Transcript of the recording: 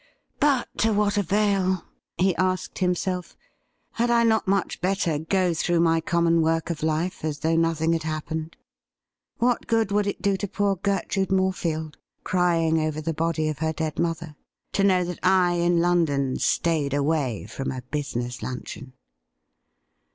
'But to what avail?' he asked himself. 'Had I not much better go through my common work of life as though nothing had happened ? What good would it do to poor Gertrude Morefield, crying over the body of her dead mother, to know that I in London stayed away from a business Imicheon